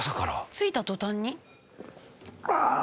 「着いた途端に？」ああ！